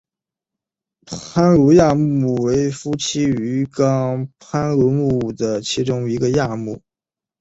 攀鲈亚目为辐鳍鱼纲攀鲈目的其中一个亚目。